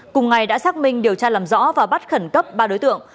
cùng ngày đã xác minh điều tra làm rõ và bắt khẩn cấp ba đối tượng